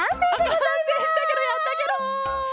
あっかんせいしたケロやったケロ！